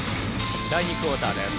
第２クオーターです。